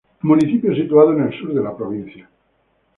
Municipio situado en el sur de la provincia.